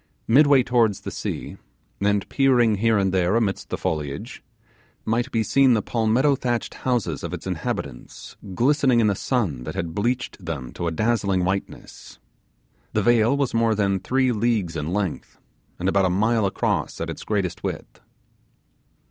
Midway towards the sea, and peering here and there amidst the foliage, might be seen the palmetto thatched houses of its inhabitants glistening in the sun that had bleached them to a dazzling whiteness. The vale was more than three leagues in length, and about a mile across at its greatest width.